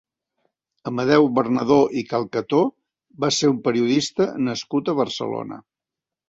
Amadeu Bernadó i Calcató va ser un periodista nascut a Barcelona.